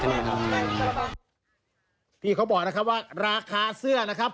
พี่เขาบอกนะครับว่าราคาเสื้อนะครับ